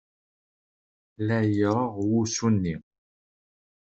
La ireɣɣ wusu-nni!